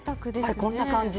こんな感じ。